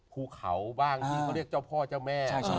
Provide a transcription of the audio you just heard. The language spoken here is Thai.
ภูเขาบ้างที่เขาเรียกเจ้าพ่อเจ้าแม่